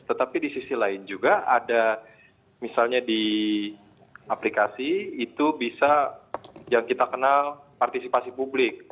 tetapi di sisi lain juga ada misalnya di aplikasi itu bisa yang kita kenal partisipasi publik